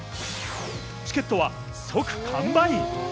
チケットは即完売！